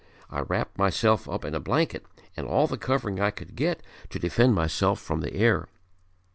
I wrapped myself up in a blanket and all the covering I could get to defend myself from the air.